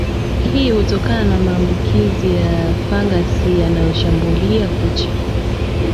Hii hutokana na maambukizi ya fangasi yanayoshambulia kucha